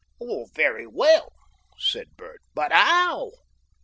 "All very well," said Bert, "but 'ow?"